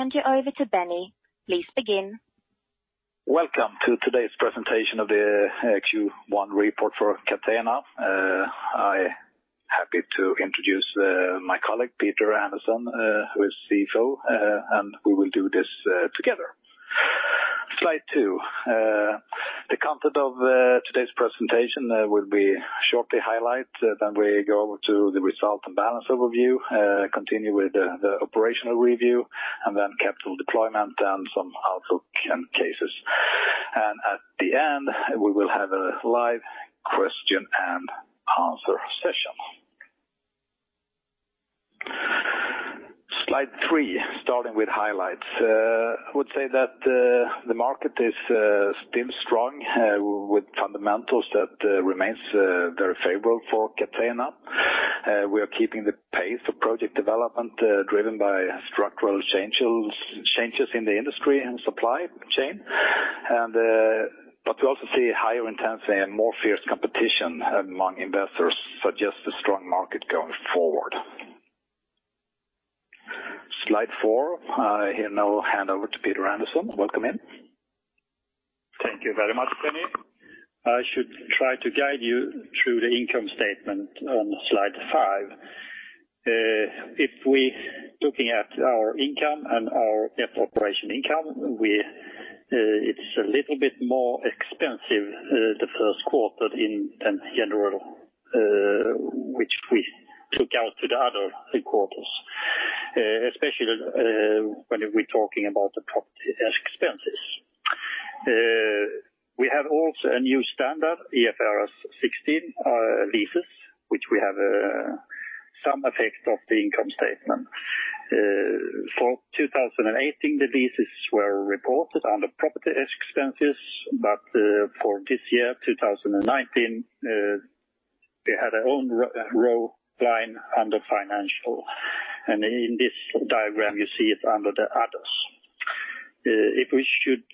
Hand you over to Benny. Please begin. Welcome to today's presentation of the Q1 report for Catena. I happy to introduce my colleague, Peter Andersson, who is CFO, and we will do this together. Slide two. The content of today's presentation will be shortly highlight, then we go over to the result and balance overview, continue with the operational review, and then capital deployment and some outlook and cases. At the end, we will have a live question and answer session. Slide three, starting with highlights. I would say that the market is still strong with fundamentals that remains very favorable for Catena. We are keeping the pace of project development driven by structural changes, changes in the industry and supply chain. But we also see higher intensity and more fierce competition among investors, suggest a strong market going forward. Slide 4. I here now hand over to Peter Andersson. Welcome in. Thank you very much, Benny. I should try to guide you through the income statement on slide 5. If we're looking at our income and our net operation income, it's a little bit more expensive the first quarter in than general, which we took out to the other quarters, especially when we're talking about the property expenses. We have also a new standard, IFRS 16, leases, which we have some effect of the income statement. For 2018, the leases were reported under property expenses, but for this year, 2019, they had their own row line under financial. And in this diagram, you see it under the others. If we should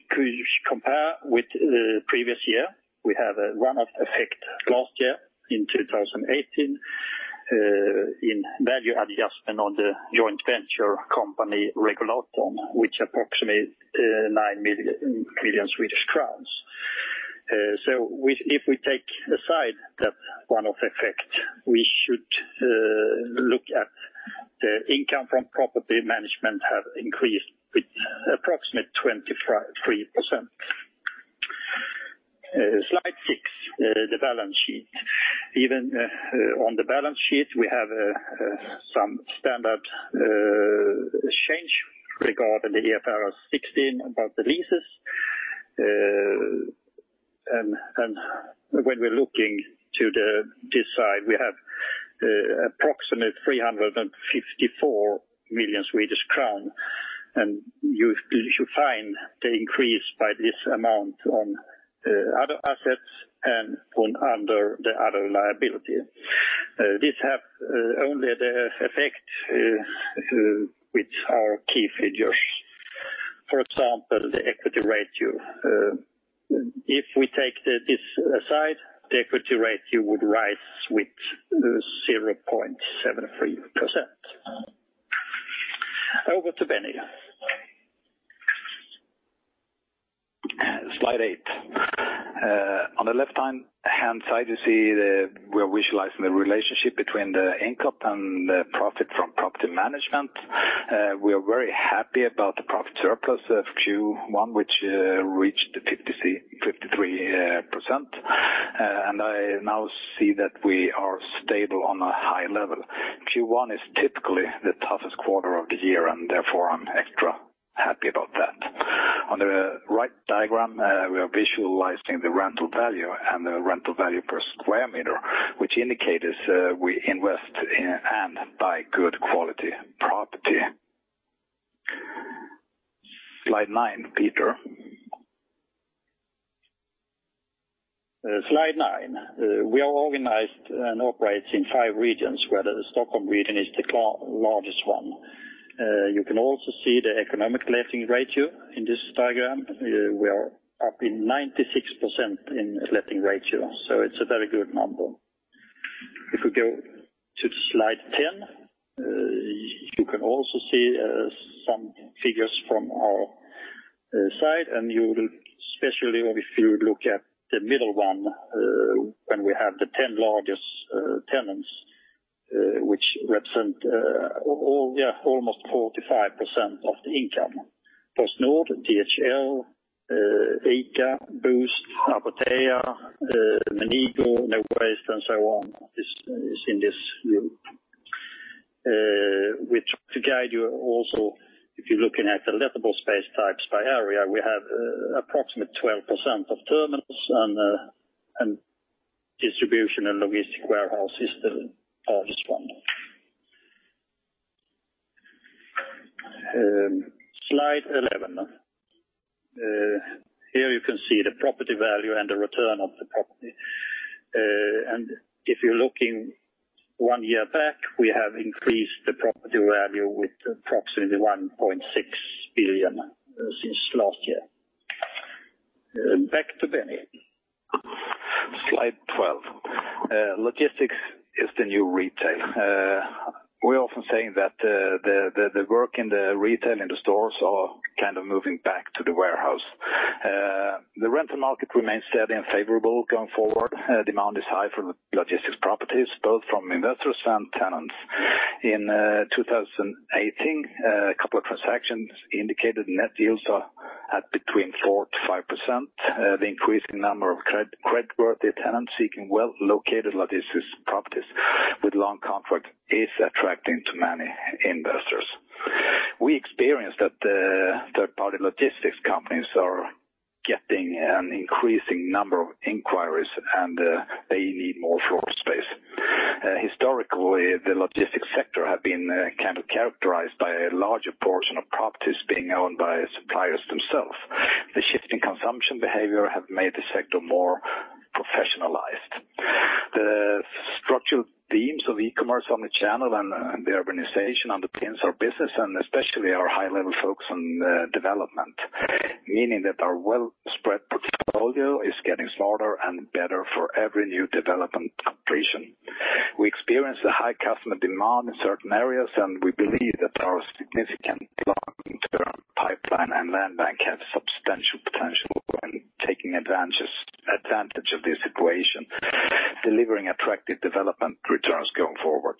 compare with the previous year, we have a one-off effect last year in 2018 in value adjustment on the joint venture company, Regulatorn, which approximate 9 million Swedish crowns. So if we take aside that one-off effect, we should look at the income from property management have increased with approximate 25.3%. Slide six, the balance sheet. Even on the balance sheet, we have some standard change regarding the IFRS 16 about the leases. And when we're looking to this side, we have approximate 354 million Swedish crown, and you find the increase by this amount on other assets and on under the other liability. This have only the effect which are key figures. For example, the equity ratio. If we take this aside, the equity ratio would rise with 0.73%. Over to Benny. Slide eight. On the left-hand side, you see we are visualizing the relationship between the income and the profit from property management. We are very happy about the profit surplus of Q1, which reached 53%. And I now see that we are stable on a high level. Q1 is typically the toughest quarter of the year, and therefore, I'm extra happy about that. On the right diagram, we are visualizing the rental value and the rental value per square meter, which indicates we invest and buy good quality property. Slide nine, Peter. Slide nine. We are organized and operates in 5 regions, where the Stockholm region is the largest one. You can also see the economic letting ratio in this diagram. We are up in 96% in letting ratio, so it's a very good number. If we go to slide ten, you can also see some figures from our side, and you will, especially if you look at the middle one, when we have the 10 largest tenants, which represent all, yeah, almost 45% of the income. PostNord, DHL, ICA, Boozt, Apotea, Menigo, Nowaste, and so on, is in this group. Which to guide you also, if you're looking at the lettable space types by area, we have approximately 12% of terminals and and distribution and logistic warehouse is the largest one. Slide 11. Here you can see the property value and the return of the property. If you're looking one year back, we have increased the property value with approximately 1.6 billion since last year. Back to Benny. Slide twelve. Logistics is the new retail. We're often saying that, the work in the retail, in the stores are kind of moving back to the warehouse. The rental market remains steady and favorable going forward. Demand is high for logistics properties, both from investors and tenants. In 2018, a couple of transactions indicated net deals are at between 4%-5%. The increasing number of creditworthy tenants seeking well-located logistics properties with long contract is attracting to many investors. We experienced that, third-party logistics companies are getting an increasing number of inquiries, and they need more floor space. Historically, the logistics sector have been kind of characterized by a larger portion of properties being owned by suppliers themselves. The shift in consumption behavior have made the sector more professionalized. The structural themes of e-commerce on the channel and the urbanization underpins our business, and especially our high-level focus on development. Meaning that our well-spread portfolio is getting smarter and better for every new development completion. We experience a high customer demand in certain areas, and we believe that our significant long-term pipeline and land bank have substantial potential in taking advantage of this situation, delivering attractive development returns going forward.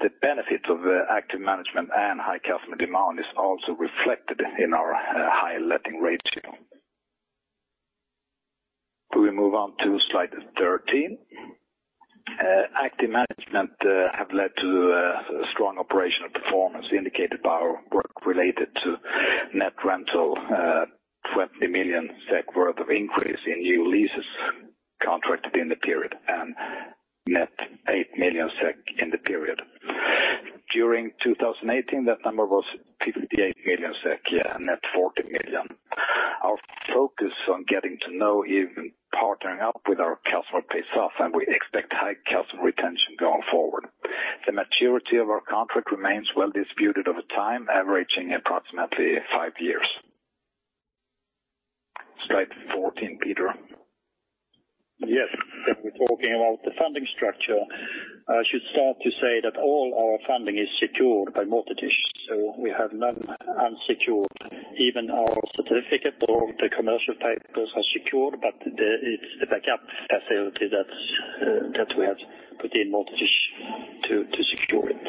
The benefits of active management and high customer demand is also reflected in our high letting ratio. Can we move on to slide 13? Active management have led to strong operational performance indicated by our work related to net rental 20 million SEK worth of increase in new leases contracted in the period, and net 8 million SEK in the period. During 2018, that number was 58 million SEK, yeah, net 40 million. Our focus on getting to know, even partnering up with our customer, pays off, and we expect high customer retention going forward. The maturity of our contract remains well distributed over time, averaging approximately 5 years. Slide 14, Peter. Yes, we're talking about the funding structure. I should start to say that all our funding is secured by mortgages, so we have none unsecured. Even our certificate or the commercial paper are secured, but it's the backup facility that we have put in mortgages to secure it.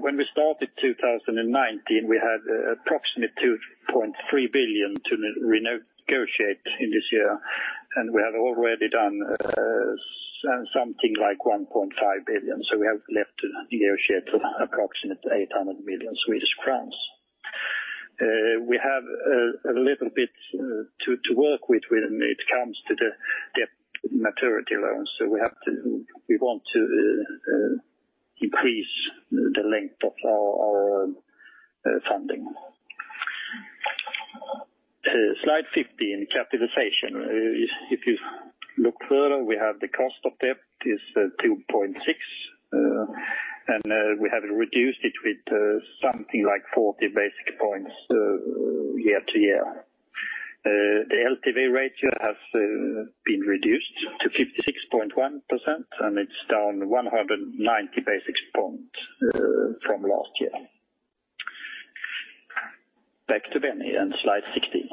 When we started 2019, we had approximately 2.3 billion to re-negotiate in this year, and we have already done something like 1.5 billion. So we have left for the year, say, approximately 800 million Swedish crowns. We have a little bit to work with when it comes to the maturity loans. So we have to- we want to increase the length of our funding. Slide 15, capitalization. If you look further, we have the cost of debt is 2.6, and we have reduced it with something like 40 basis points year-over-year. The LTV ratio has been reduced to 56.1%, and it's down 190 basis points from last year. Back to Benny, and slide 16.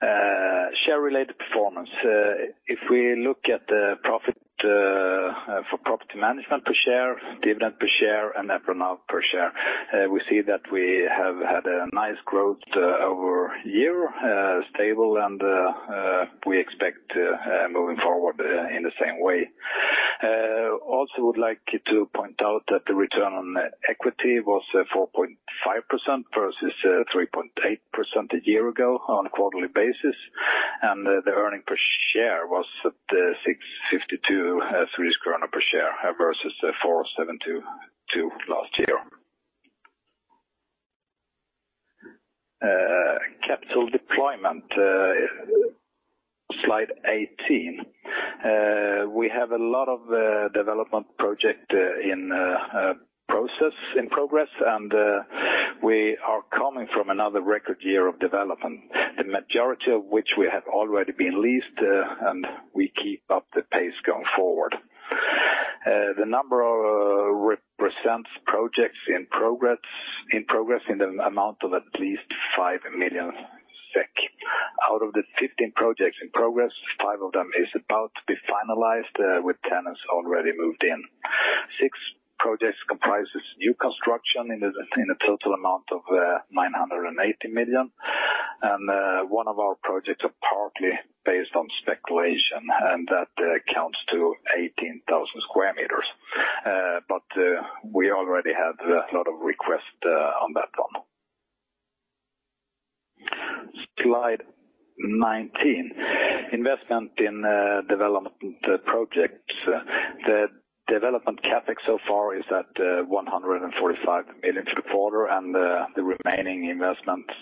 Share-related performance. If we look at the profit for property management per share, dividend per share, and EPS per share, we see that we have had a nice growth over year, stable, and we expect moving forward in the same way. Also would like to point out that the return on equity was 4.5% versus 3.8% a year ago on a quarterly basis, and the earning per share was at 6.52 Swedish krona per share, versus 4.72 last year. Capital deployment, slide 18. We have a lot of development project in process, in progress, and we are coming from another record year of development. The majority of which we have already been leased, and we keep up the pace going forward. The number represents projects in progress in an amount of at least 5 million SEK. Out of the 15 projects in progress, 5 of them is about to be finalized with tenants already moved in. Six projects comprises new construction in the total amount of 980 million, and one of our projects are partly based on speculation, and that counts to 18,000 square meters. But we already have a lot of requests on that one. Slide 19. Investment in development projects. The development CapEx so far is at 145 million SEK for the quarter, and the remaining investments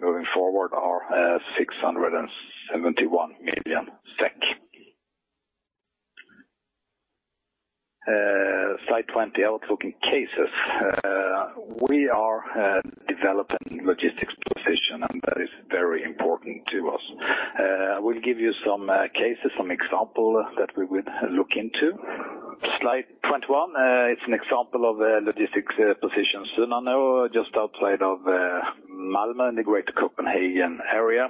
moving forward are 671 million SEK. Slide 20, outlook in cases. We are developing logistics position, and that is very important to us. We'll give you some cases, some example that we would look into. Slide 21, it's an example of a logistics position. Sunnanå, just outside of Malmö, in the Greater Copenhagen area.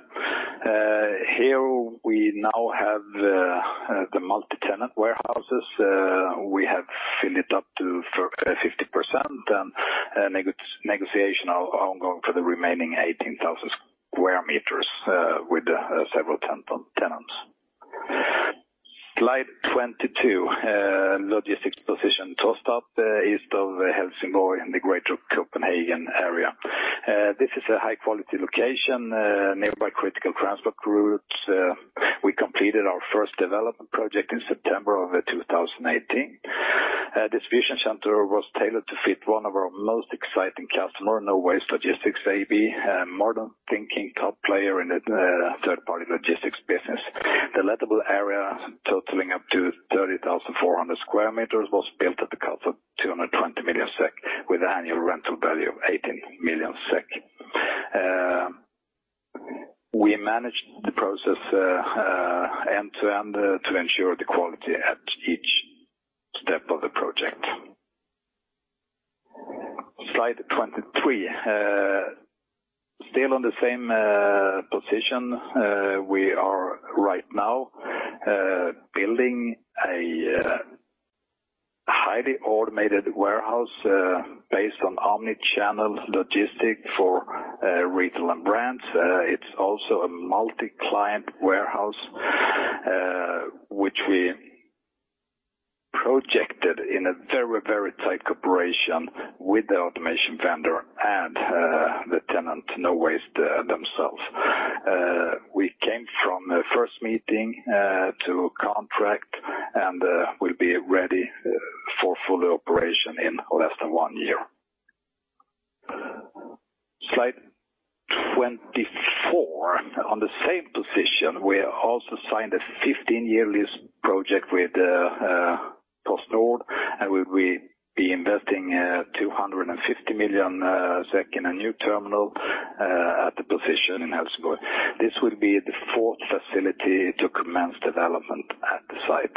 Here, we now have the multi-tenant warehouses. We have filled it up to 50%, and negotiations are ongoing for the remaining 18,000 square meters with several tenants. Slide 22, logistics position Tostarp, east of Helsingborg, in the Greater Copenhagen area. This is a high quality location nearby critical transport routes. We completed our first development project in September of 2018. This vision center was tailored to fit one of our most exciting customer, Nowaste Logistics AB, a modern thinking top player in the third party logistics business. The lettable area, totaling up to 30,400 square meters, was built at the cost of 220 million SEK, with an annual rental value of 18 million SEK. We managed the process end-to-end to ensure the quality at each step of the project. Slide 23. Still on the same position, we are right now building a highly automated warehouse based on omni-channel logistics for retail and brands. It's also a multi-client warehouse, which we projected in a very, very tight cooperation with the automation vendor and the tenant, Nowaste, themselves. We came from a first meeting to contract, and we'll be ready for full operation in less than one year. Slide 24. On the same position, we also signed a 15-year lease project with PostNord, and we be investing 250 million SEK in a new terminal at the position in Helsingborg. This will be the fourth facility to commence development at the site.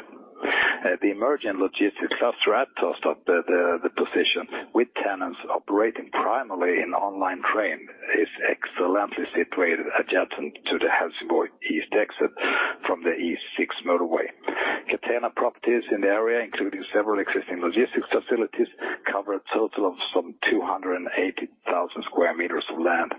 The emerging logistics cluster at Tostarp, the position with tenants operating primarily in online trade, is excellently situated adjacent to the Helsingborg east exit from the E6 motorway. Catena properties in the area, including several existing logistics facilities, cover a total of some 280,000 sq m of land.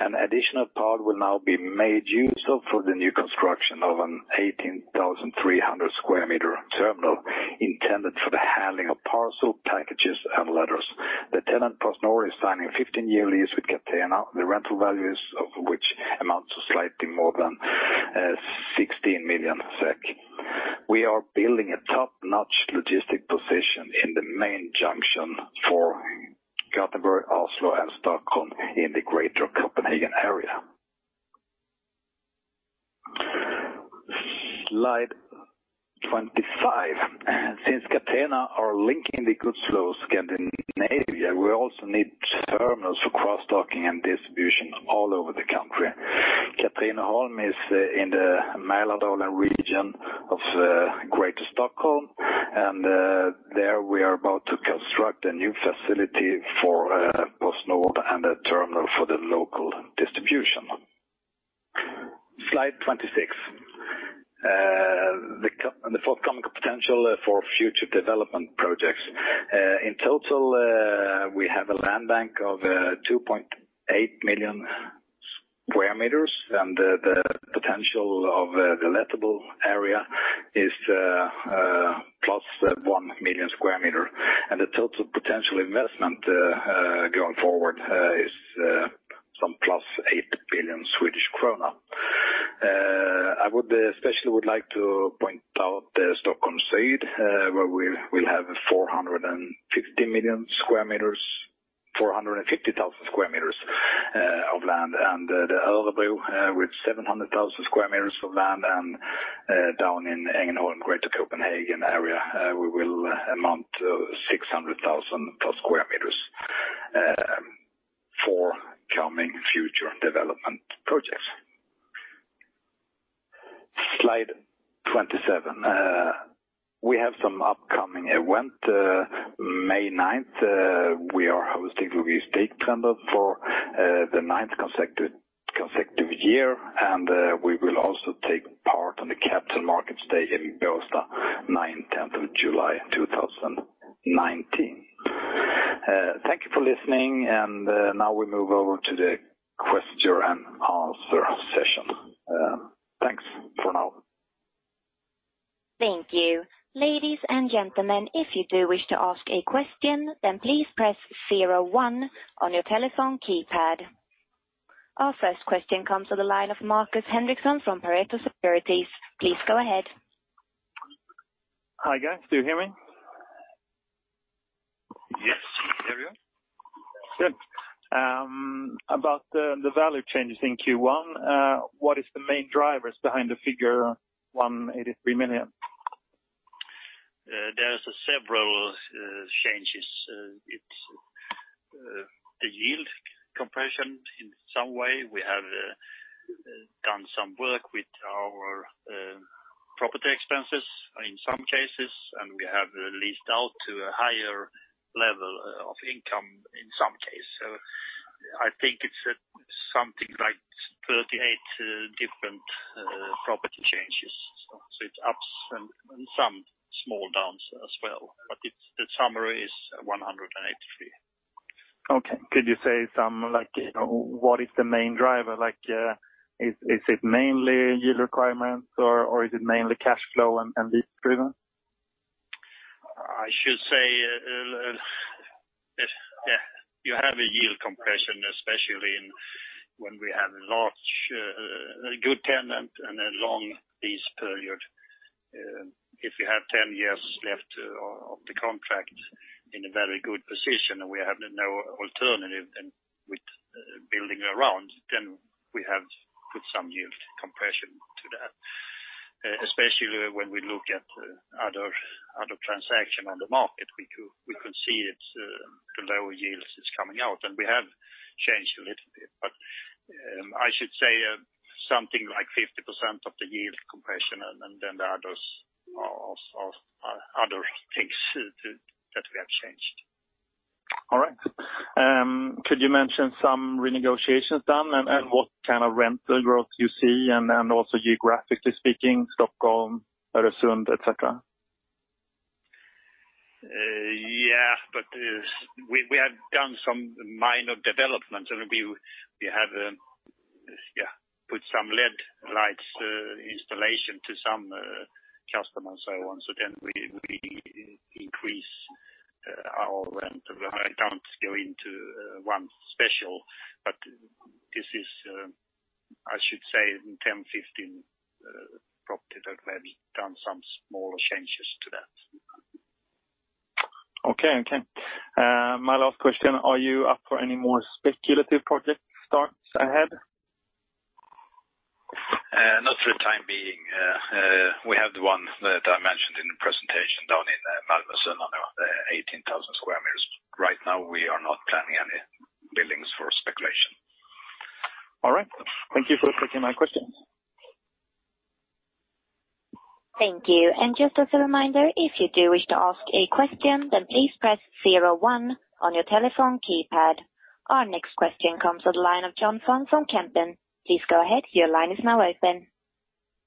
An additional part will now be made use of for the new construction of an 18,300 sq m terminal, intended for the handling of parcel, packages, and letters. The tenant, PostNord, is signing a 15-year lease with Catena. The rental values of which amounts to slightly more than 16 million SEK. We are building a top-notch logistics position in the main junction for Gothenburg, Oslo, and Stockholm in the Greater Copenhagen area. Slide 25. Since Catena are linking the goods flows Scandinavia, we also need terminals for cross-docking and distribution all over the country. Katrineholm is in the Mälardalen region of Greater Stockholm, and there, we are about to construct a new facility for PostNord and a terminal for the local distribution. Slide 26. The forthcoming potential for future development projects. In total, we have a land bank of 2.8 million square meters, and the potential of the lettable area is +1 million square meter. And the total potential investment going forward is some +8 billion Swedish krona. I would especially like to point out the Stockholm Syd, where we will have 450,000 square meters of land. The Örebro with 700,000 square meters of land, and down in Ängelholm, Greater Copenhagen area, we will amount to 600,000+ square meters for coming future development projects. Slide 27. We have some upcoming event. May ninth we are hosting Real Estate Trend for the ninth consecutive year, and we will also take part in the Capital Markets Day in Båstad, ninth, tenth of July, 2019. Thank you for listening, and now we move over to the question and answer session. Thanks for now. Thank you. Ladies and gentlemen, if you do wish to ask a question, then please press zero one on your telephone keypad. Our first question comes to the line of Markus Henriksson from Pareto Securities. Please go ahead. Hi guys, do you hear me? ... Good. About the value changes in Q1, what is the m ain drivers behind the figure 183 million? There is several changes. It's the yield compression in some way. We have done some work with our property expenses in some cases, and we have leased out to a higher level of income in some cases. So I think it's something like 38 different property changes. So it's ups and, and some small downs as well, but it's- the summary is 183. Okay. Could you say some, like, you know, what is the main driver? Like, is it mainly yield requirements or, or is it mainly cash flow and, and lease driven? I should say, yeah, you have a yield compression, especially in when we have a large, a good tenant and a long lease period. If you have 10 years left of the contract in a very good position, and we have no alternative than with building around, then we have put some yield compression to that. Especially when we look at other, other transaction on the market, we could, we could see it, the lower yields is coming out, and we have changed a little bit. But, I should say, something like 50% of the yield compression and, and then the others of other things too, that we have changed. All right. Could you mention some renegotiations done, and what kind of rental growth you see, and also geographically speaking, Stockholm, et cetera? Yeah, but we have done some minor developments, and we have yeah put some LED lights installation to some customers and so on. So then we increase our rent. I don't go into one special, but this is, I should say, 10-15 property that may be done some small changes to that. Okay. Okay. My last question, are you up for any more speculative project starts ahead? Not for the time being. We have the one that I mentioned in the presentation down in Malmö on our 18,000 square meters. Right now, we are not planning any buildings for speculation. All right. Thank you for taking my questions. Thank you. Just as a reminder, if you do wish to ask a question, then please press zero one on your telephone keypad. Our next question comes on the line of John Vuong from Kempen & Co. Please go ahead. Your line is now open.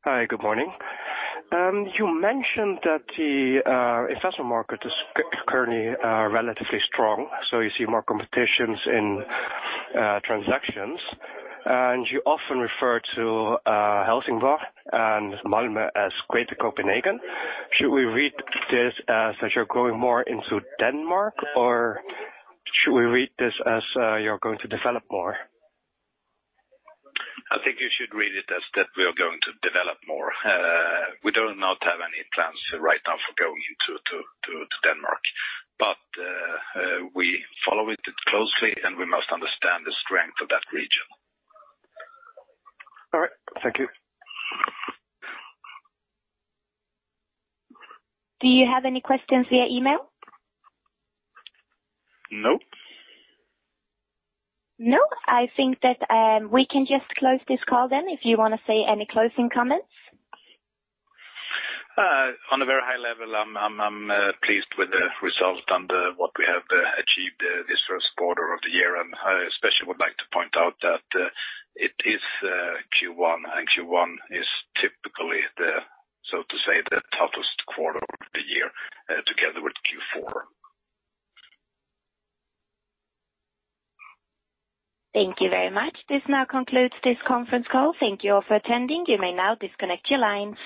Hi, good morning. You mentioned that the investment market is currently relatively strong, so you see more competitions in transactions, and you often refer to Helsingborg and Malmö as Greater Copenhagen. Should we read this as you're going more into Denmark, or should we read this as you're going to develop more? I think you should read it as that we are going to develop more. We do not have any plans right now for going into Denmark, but we follow it closely, and we must understand the strength of that region. All right. Thank you. Do you have any questions via email? Nope. No? I think that, we can just close this call then, if you want to say any closing comments. On a very high level, I'm pleased with the result and what we have achieved this first quarter of the year. And I especially would like to point out that it is Q1, and Q1 is typically the, so to say, the toughest quarter of the year together with Q4. Thank you very much. This now concludes this conference call. Thank you all for attending. You may now disconnect your lines.